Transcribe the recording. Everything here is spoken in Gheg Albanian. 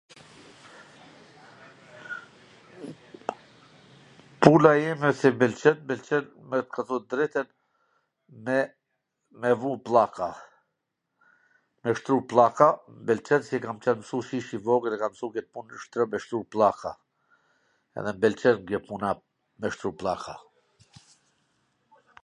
Puna ime qw m pwlqen, m pwlqen me t kallzu t drejtwn me me vu pllaka, me shtru pllaka m pwlqen se kam qwn msu qysh i vogwl e kam msu kwt pun shtro me shtru pllaka, edhe m pwlqen kjo puna me shtru pllaka.